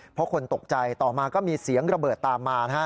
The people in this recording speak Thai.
เพราะคนตกใจต่อมาก็มีเสียงระเบิดตามมา